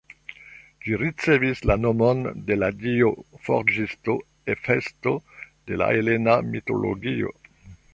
Ĝi ricevis la nomon de la dio forĝisto Hefesto, de la helena mitologio.